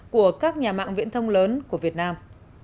của các nhà mạng viễn thông lớn của việt nam